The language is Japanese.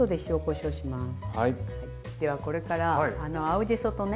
ではこれから青じそとね